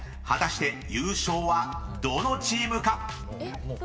［果たして優勝はどのチームか？］